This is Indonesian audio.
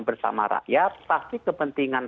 bersama rakyat pasti kepentingan